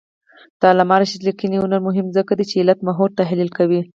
د علامه رشاد لیکنی هنر مهم دی ځکه چې علتمحوره تحلیل کوي.